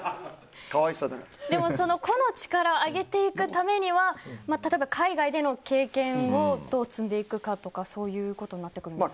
でも、その個の力を上げていくためには例えば海外での経験をどう積んでいくかとかそういうことになってきますかね。